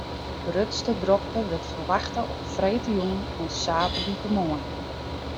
De grutste drokte wurdt ferwachte op freedtejûn en saterdeitemoarn.